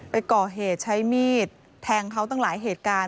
ไปก่อเหตุใช้มีดแทงเขาตั้งหลายเหตุการณ์